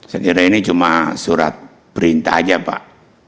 saya kira ini cuma surat perintah aja pak